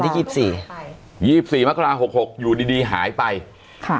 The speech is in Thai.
ยี่สิบสี่ยี่สิบสี่มกราหกหกอยู่ดีดีหายไปค่ะ